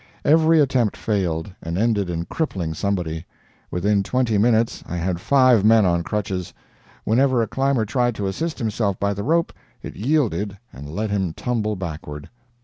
Every attempt failed, and ended in crippling somebody. Within twenty minutes I had five men on crutches. Whenever a climber tried to assist himself by the rope, it yielded and let him tumble backward.